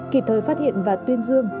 kịp thời phát hiện và tuyên dương